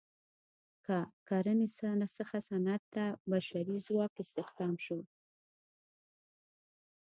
له کرنې څخه صنعت ته بشري ځواک استخدام شو.